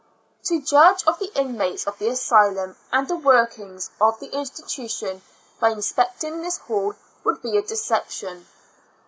To judge of the inmates of the asylum, and the workings of the institution by in sp<»cting this hall, would be a deception.